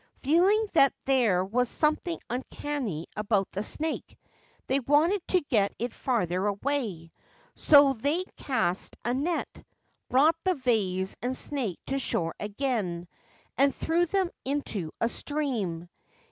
Feeling that there was something uncanny about the snake, they wanted to get it farther away. So they cast a net, brought the vase and snake to shore again, and threw them into a stream.